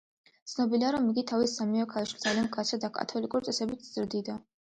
ცნობილია, რომ იგი თავის სამივე ქალიშვილს ძალიან მკაცრად, კათოლიკური წესებით ზრდიდა.